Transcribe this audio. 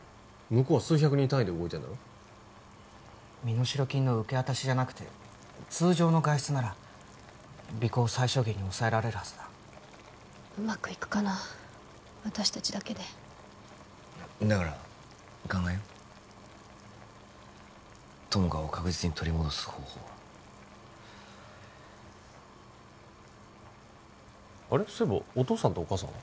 向こうは数百人単位で動いてんだろ身代金の受け渡しじゃなくて通常の外出なら尾行を最小限に抑えられるはずだうまくいくかな私達だけでだから考えよう友果を確実に取り戻す方法をあれっそういえばお父さんとお母さんは？